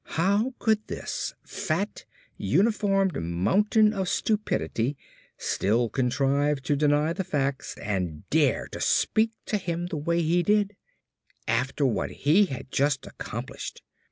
How could this fat, uniformed mountain of stupidity still contrive to deny the facts and dare speak to him the way he did? And after what he had just accomplished!